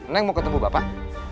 neng mau ketemu bapak